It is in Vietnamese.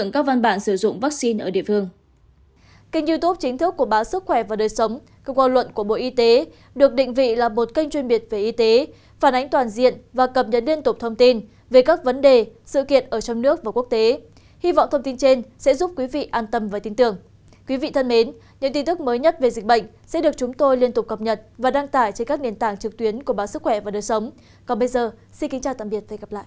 còn bây giờ xin kính chào tạm biệt và hẹn gặp lại